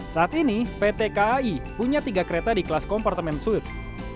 saat ini pt kai punya tiga kereta di kelas kompartemen suite